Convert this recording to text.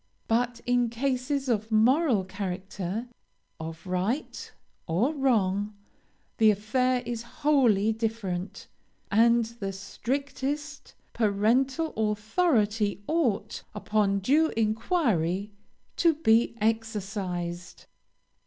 But in cases of moral character, of right or wrong, the affair is wholly different, and the strictest parental authority ought, upon due inquiry, to be exercised.